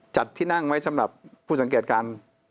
จัดที่นั่งไว้สำหรับผู้สังเกตการ